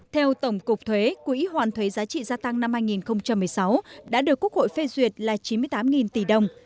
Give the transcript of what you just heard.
theo tổng cục thuế quỹ hoàn thuế giá trị gia tăng năm hai nghìn một mươi sáu đã được quốc hội phê duyệt là chín mươi tám tỷ đồng